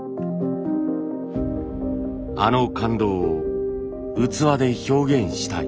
あの感動を器で表現したい。